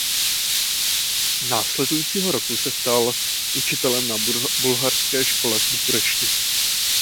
Následujícího roku se stal učitelem na bulharské škole v Bukurešti.